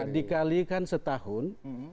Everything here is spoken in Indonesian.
dikali kan setahun